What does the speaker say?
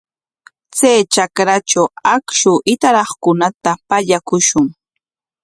Chay trakratraw akshu hitaraqkunata pallakushun.